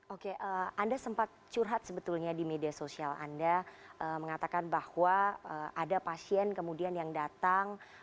oke anda sempat curhat sebetulnya di media sosial anda mengatakan bahwa ada pasien kemudian yang datang